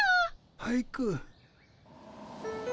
俳句？